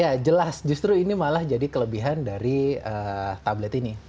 ya jelas justru ini malah jadi kelebihan dari tablet ini